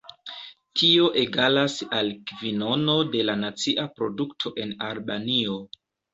Tio egalas al kvinono de la nacia produkto en Albanio.